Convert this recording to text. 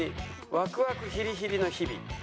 ワクワクヒリヒリの日々！」。